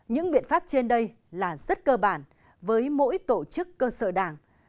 những biện pháp trên đây là rất cơ bản với mỗi tổ chức cơ sở đảng